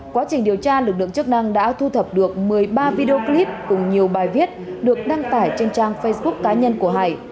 quá trình điều tra lực lượng chức năng đã thu thập được một mươi ba video clip cùng nhiều bài viết được đăng tải trên trang facebook cá nhân của hải